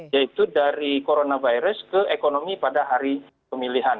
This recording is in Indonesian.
yaitu dari coronavirus ke ekonomi pada hari pemilihan